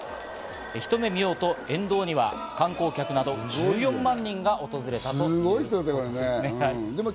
ひと目見ようと、沿道には観光客など１４万人が訪れたということです。